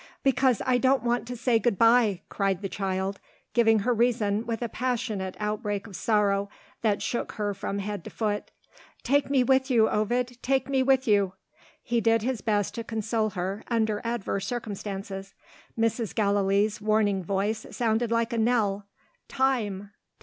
"Because I don't want to say good bye!" cried the child, giving her reason with a passionate outbreak of sorrow that shook her from head to foot. "Take me with you, Ovid, take me with you!" He did his best to console her, under adverse circumstances. Mrs. Gallilee's warning voice sounded like a knell "Time!